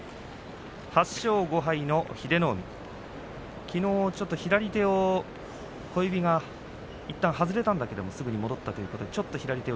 ８勝５敗の英乃海きのう左手の小指がいったん外れたんだけどすぐに戻ったと。